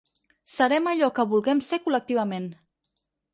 Serem allò que vulguem ser col·lectivament.